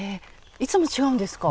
いつも違うんですか？